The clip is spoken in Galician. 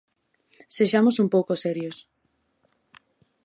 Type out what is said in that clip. Sexamos un pouco serios.